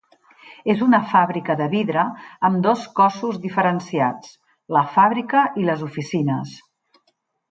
És una fàbrica de vidre amb dos cossos diferenciats, la fàbrica i les oficines.